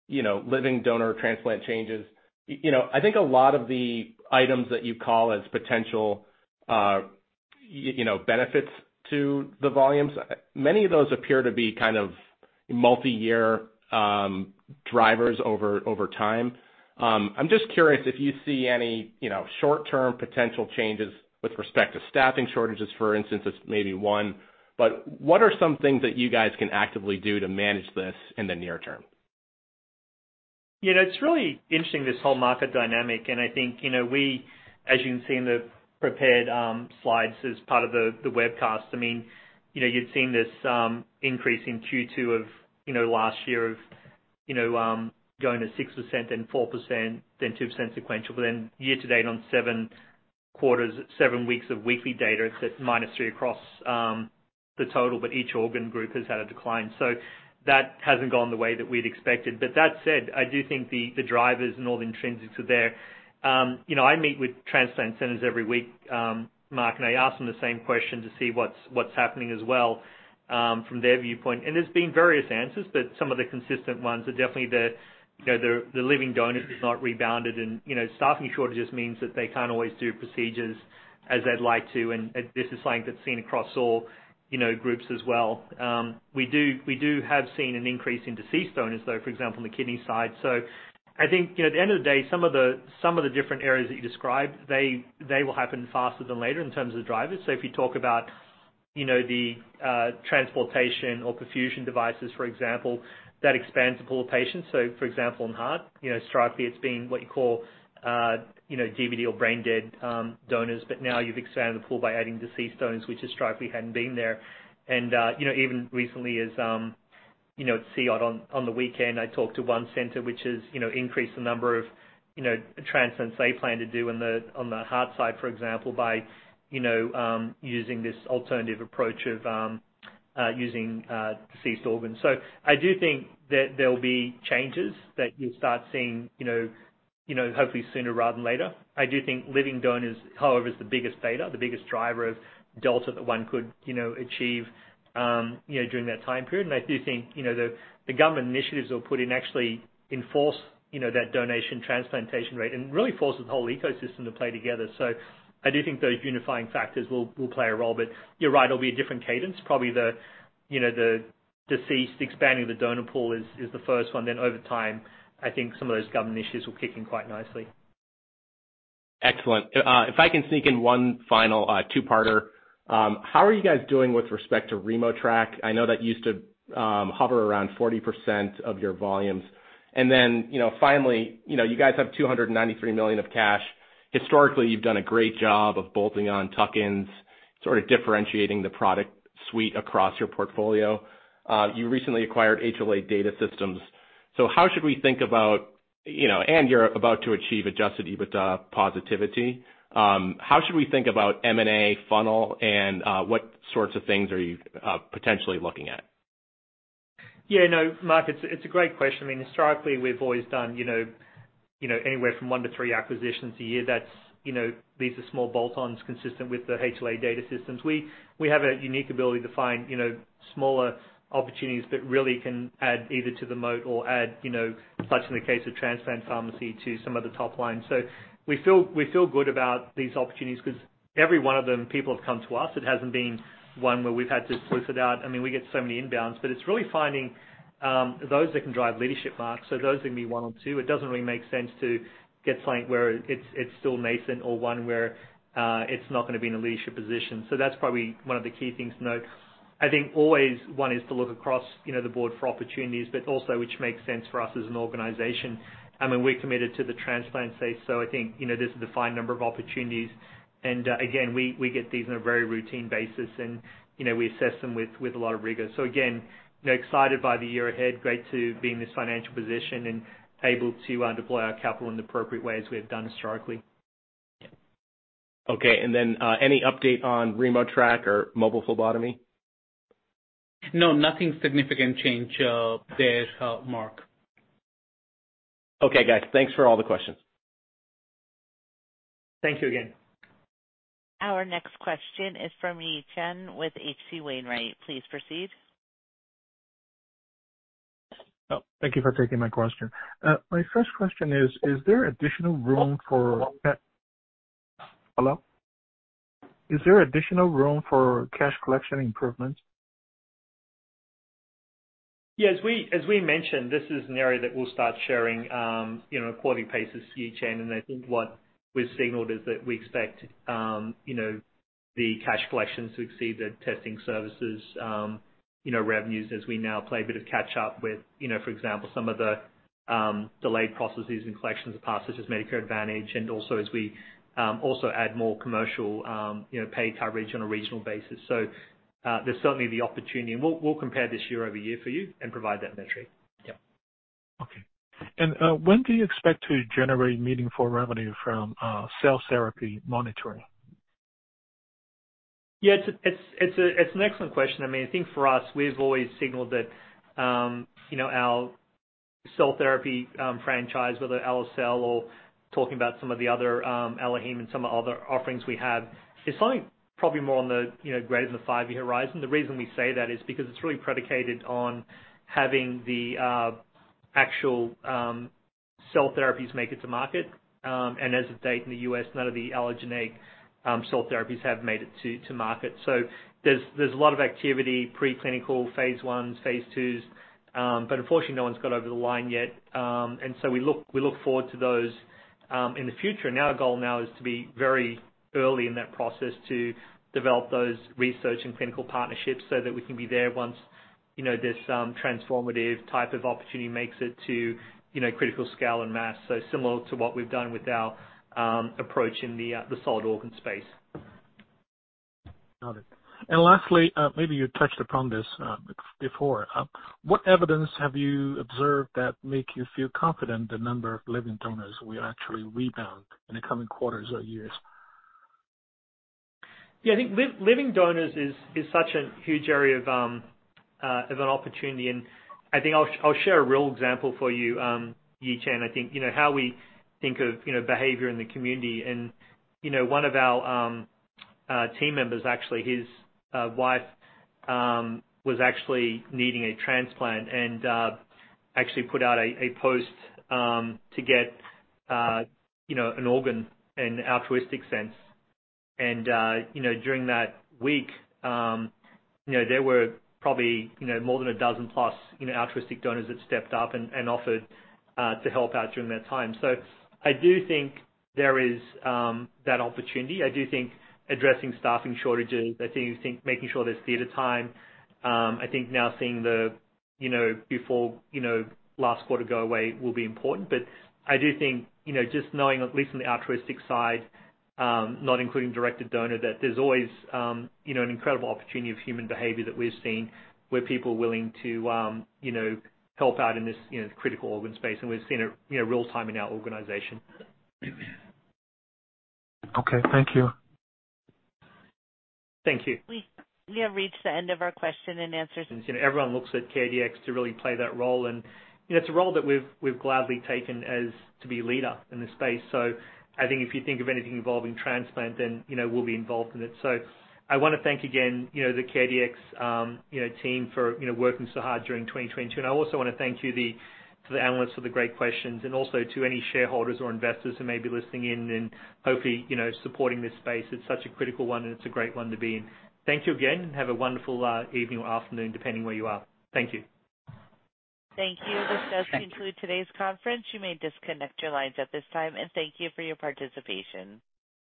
you know, living donor transplant changes. You know, I think a lot of the items that you call as potential, you know, benefits to the volumes, many of those appear to be kind of multi-year drivers over time. I'm just curious if you see any, you know, short-term potential changes with respect to staffing shortages, for instance, as maybe one, but what are some things that you guys can actively do to manage this in the near term? You know, it's really interesting, this whole market dynamic. I think, you know, we, as you can see in the prepared slides as part of the webcast, I mean, you know, you'd seen this increase in Q2 of, you know, last year of, you know, going to 6% then 4% then 2% sequential. Year to date on 7 quarters, 7 weeks of weekly data, it's at 3%- across the total, but each organ group has had a decline, so that hasn't gone the way that we'd expected. That said, I do think the drivers and all the intrinsics are there. You know, I meet with transplant centers every week, Mark, I ask them the same question to see what's happening as well, from their viewpoint. There's been various answers, but some of the consistent ones are definitely the, you know, the living donor has not rebounded. You know, staffing shortages means that they can't always do procedures as they'd like to. This is something that's seen across all, you know, groups as well. We have seen an increase in deceased donors, though, for example, on the kidney side. I think, you know, at the end of the day, some of the, some of the different areas that you described, they will happen faster than later in terms of the drivers. If you talk about, you know, the transportation or perfusion devices, for example, that expands the pool of patients. For example, in heart, you know, historically it's been what you call, you know, DBD or brain dead, donors, but now you've expanded the pool by adding deceased donors, which historically hadn't been there. Even recently as, you know, at CEoT on the weekend, I talked to one center which has, you know, increased the number of, you know, transplants they plan to do on the, on the heart side, for example, by you know, using this alternative approach of, using deceased organs. I do think that there'll be changes that you'll start seeing, you know, you know, hopefully sooner rather than later. I do think living donors, however, is the biggest data, the biggest driver of delta that one could, you know, achieve, you know, during that time period. I do think, you know, the government initiatives they'll put in actually enforce, you know, that donation transplantation rate and really forces the whole ecosystem to play together. I do think those unifying factors will play a role. You're right, it'll be a different cadence. Probably the, you know, the deceased expanding the donor pool is the first one. Over time, I think some of those government initiatives will kick in quite nicely. Excellent. If I can sneak in one final, two-parter. How are you guys doing with respect to RemoTraC? I know that used to hover around 40% of your volumes. You know, finally, you know, you guys have $293 million of cash. Historically, you've done a great job of bolting on tuck-ins, sort of differentiating the product suite across your portfolio. You recently acquired HLA Data Systems. How should we think about, you know... You're about to achieve adjusted EBITDA positivity. How should we think about M&A funnel, what sorts of things are you potentially looking at? No, Mark, it's a great question. I mean, historically, we've always done, you know, anywhere from 1-3 acquisitions a year. That's, you know, these are small bolt-ons consistent with the HLA Data Systems. We have a unique ability to find, you know, smaller opportunities that really can add either to the moat or add, you know, such in the case of Transplant Pharmacy to some of the top line. We feel good about these opportunities 'cause every one of them, people have come to us. It hasn't been one where we've had to solicit out. I mean, we get so many inbounds, but it's really finding those that can drive leadership marks. Those would be one two. It doesn't really make sense to get something where it's still nascent or one where it's not gonna be in a leadership position. That's probably one of the key things to note. I think always one is to look across, you know, the board for opportunities, but also which makes sense for us as an organization. I mean, we're committed to the transplant space, so I think, you know, there's a defined number of opportunities. Again, we get these on a very routine basis and, you know, we assess them with a lot of rigor. Again, you know, excited by the year ahead. Great to be in this financial position and able to deploy our capital in the appropriate way as we have done historically. Okay. Any update on RemoTraC or mobile phlebotomy? No, nothing significant change, there, Mark. Okay, guys. Thanks for all the questions. Thank you again. Our next question is from Yi Chen with H.C. Wainwright. Please proceed. Thank you for taking my question. My first question is there additional room for... Hello? Is there additional room for cash collection improvements? Yeah. As we, as we mentioned, this is an area that we'll start sharing, you know, quality paces each end. I think what we've signaled is that we expect, you know, the cash collections to exceed the testing services, you know, revenues as we now play a bit of catch up with, you know, for example, some of the delayed processes and collections of passes as Medicare Advantage and also as we also add more commercial, you know, pay coverage on a regional basis. So, there's certainly the opportunity. We'll, we'll compare this year-over-year for you and provide that metric. Yeah. Okay. When do you expect to generate meaningful revenue from cell therapy monitoring? It's an excellent question. I mean, I think for us, we've always signaled that, you know, our cell therapy franchise, whether AlloCell or talking about some of the other, AlloHome and some other offerings we have, is something probably more on the, you know, greater than the five-year horizon. The reason we say that is because it's really predicated on having the actual cell therapies make it to market. As of date in the U.S., none of the allogeneic cell therapies have made it to market. There's a lot of activity, preclinical phase Is, phase IIs, unfortunately, no one's got over the line yet. We look forward to those in the future. Our goal now is to be very early in that process to develop those research and clinical partnerships so that we can be there once, you know, this, transformative type of opportunity makes it to, you know, critical scale and mass. Similar to what we've done with our, approach in the solid organ space. Got it. Lastly, maybe you touched upon this before. What evidence have you observed that make you feel confident the number of living donors will actually rebound in the coming quarters or years? Yeah, I think living donors is such a huge area of an opportunity, and I think I'll share a real example for you, Yi Chen. I think you know how we think of, you know, behavior in the community and, you know, one of our team members actually, his wife was actually needing a transplant and actually put out a post to get, you know, an organ in the altruistic sense. You know, during that week, you know, there were probably, you know, more than 12 plus, you know, altruistic donors that stepped up and offered to help out during that time. I do think there is that opportunity. I do think addressing staffing shortages, I do think making sure there's theater time. I think now seeing the, you know, before, you know, last quarter go away will be important. I do think, you know, just knowing at least on the altruistic side, not including directed donor, that there's always, you know, an incredible opportunity of human behavior that we're seeing where people are willing to, you know, help out in this, you know, critical organ space, and we've seen it, you know, real time in our organization. Okay. Thank you. Thank you. We have reached the end of our question and answer-. You know, everyone looks at CareDx to really play that role, and you know, it's a role that we've gladly taken as to be leader in this space. I think if you think of anything involving transplant, then you know we'll be involved in it. I wanna thank again, you know, the CareDx, you know, team for, you know, working so hard during 2022. I also wanna thank you to the analysts for the great questions and also to any shareholders or investors who may be listening in and hopefully, you know, supporting this space. It's such a critical one, and it's a great one to be in. Thank you again, and have a wonderful evening or afternoon, depending where you are. Thank you. Thank you. Thank you. This does conclude today's conference. You may disconnect your lines at this time, and thank you for your participation.